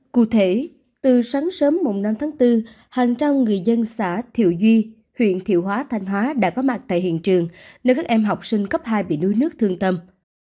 cụ thể từ sáng sớm năm tháng bốn hàng trăm người dân xã thiệu duy huyện thiệu hóa thanh hóa đã có mặt tại hiện trường nơi các em học sinh cấp hai bị đuối nước thương tâm